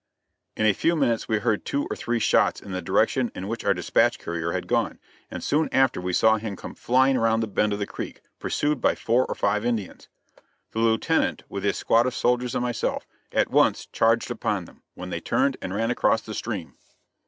In a few minutes we heard two or three shots in the direction in which our dispatch courier had gone, and soon after we saw him come flying around the bend of the creek, pursued by four or five Indians. The Lieutenant, with his squad of soldiers and myself, at once charged upon them, when they turned and ran across the stream.